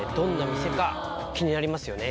気になりますね。